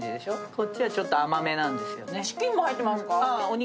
こっちはちょっと甘めなんですよね。